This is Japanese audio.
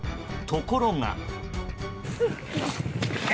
ところが。